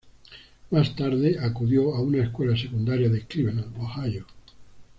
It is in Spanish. Más tarde, acudió a una escuela secundaria de Cleveland, Ohio.